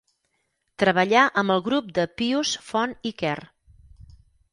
Treballà amb el grup de Pius Font i Quer.